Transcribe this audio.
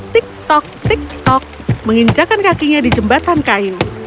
tik tok tik tok mengincakan kakinya di jembatan kain